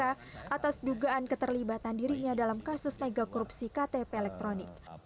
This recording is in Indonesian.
atas dugaan keterlibatan dirinya dalam kasus megakorupsi ktp elektronik